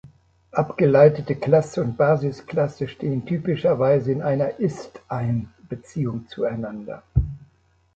Abgeleitete Klasse und Basisklasse stehen typischerweise in einer „ist-ein“-Beziehung zueinander.